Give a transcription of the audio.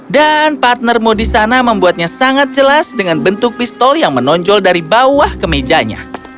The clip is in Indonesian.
dan partnermu di sana membuatnya sangat jelas dengan bentuk pistol yang menonjol dari bawah kemejanya